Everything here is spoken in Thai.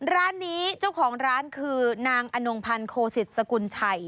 ร้านนี้เจ้าของร้านคือนางอนงพันธ์โคสิตสกุลชัย